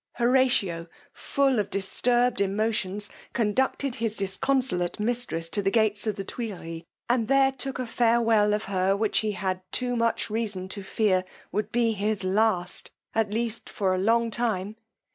Horatio, full of disturbed emotions, conducted his disconsolate mistress to the gate of the Tuilleries, and there took a farewel of her, which he had too much reason to fear would be his last, at least for a long time.